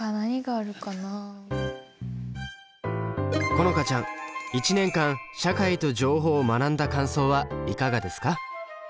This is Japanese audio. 好花ちゃん１年間「社会と情報」を学んだ感想はいかがですか？